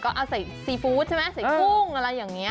ก็เอาใส่ซีฟู้ดใช่ไหมใส่กุ้งอะไรอย่างนี้